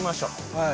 はい。